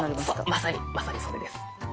まさにまさにそれです。